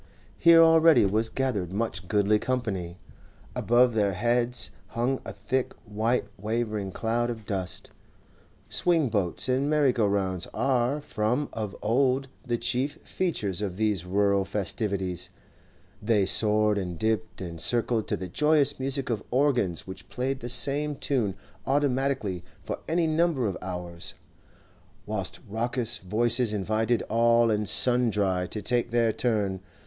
Here already was gathered much goodly company; above their heads hung a thick white wavering cloud of dust. Swing boats and merry go rounds are from of old the chief features of these rural festivities; they soared and dipped and circled to the joyous music of organs which played the same tune automatically for any number of hours, whilst raucous voices invited all and sundry to take their turn.